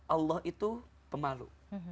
allah itu pemalu